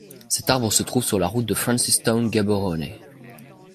Cet arbre se trouve sur la route de Francistown-Gaborone.